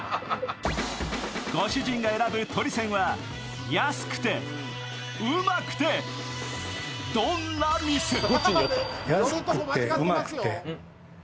ご主人が選ぶ鳥泉は、安くて、うまくて、どんな店か。